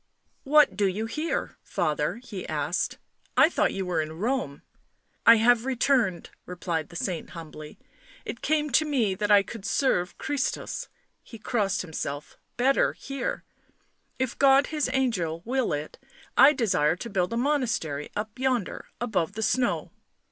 " What do you here, father?" he asked. " I thought you were in Borne." " I have returned," replied the saint humbly. " It came to me that I could serve Christus "— he crossed himself —" better here. If God His angel will it I desire to build a monastery up yonder — above the snow."